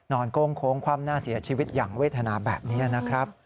โก้งโค้งคว่ำหน้าเสียชีวิตอย่างเวทนาแบบนี้นะครับ